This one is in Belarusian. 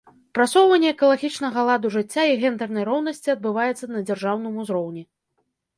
Прасоўванне экалагічнага ладу жыцця і гендэрнай роўнасці адбываецца на дзяржаўным узроўні.